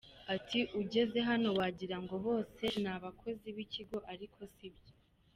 Ati “Ugeze hano wagira ngo bose ni abakozi b’ikigo ariko si byo.